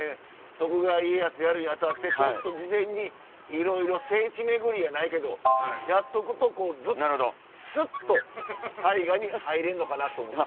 徳川家康やるに当たってちょっと事前にいろいろ聖地巡りやないけどやっとくとこうスッと大河に入れんのかなと思って。